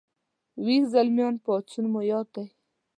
ويښ زلميان پاڅون مو یاد دی